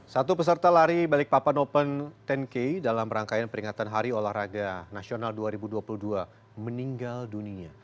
satu peserta lari balikpapan open sepuluh k dalam rangkaian peringatan hari olahraga nasional dua ribu dua puluh dua meninggal dunia